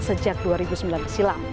sejak dua ribu sembilan silam